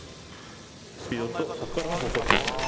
スピードとそこからの方向転換。